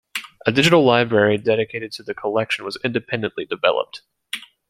A digital library dedicated to the collection was independently developed.